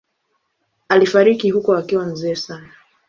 Alifariki huko akiwa mzee sana.